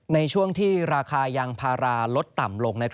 ในช่วงที่ราคายางพาราลดต่ำลง